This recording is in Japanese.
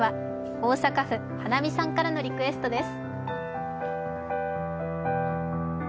大阪府・はなみさんからのリクエストです。